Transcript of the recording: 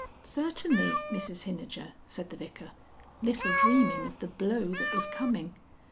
"Certainly, Mrs Hinijer," said the Vicar, little dreaming of the blow that was coming.